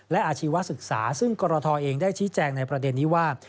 และอาชีวศึกษาซึ่งกรทเองได้ชี้แจงในประเด็นนี้ว่า